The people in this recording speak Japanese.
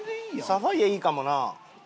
サファイアいいかもな。